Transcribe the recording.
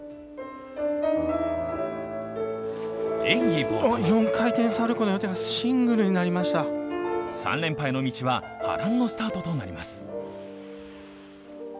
演技冒頭３連覇への道は波乱のスタートとなります。